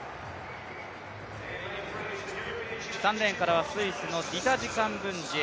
３レーンからはスイスのディタジ・カンブンジ。